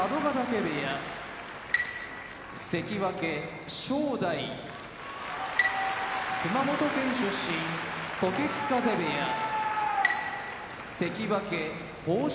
部屋関脇・正代熊本県出身時津風部屋関脇豊昇